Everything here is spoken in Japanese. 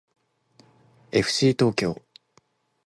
えふしー東京